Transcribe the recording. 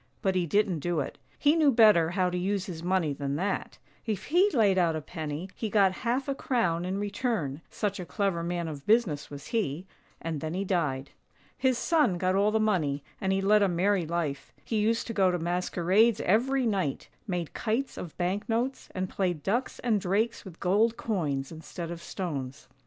But he didn't do it — he knew better how to use his money than that: if he laid out a penny, he got half a crown in return, such a clever man of business was he — and then he died. His son got all the money, and he led a merry life; he used to go to masquerades every night, made kites of bank notes, and played ducks and drakes with gold coins instead of stones.